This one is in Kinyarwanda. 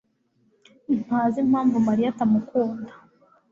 ntazi impamvu Mariya atamukunda.